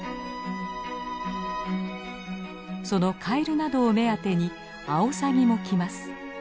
そのカエルなどを目当てにアオサギも来ます。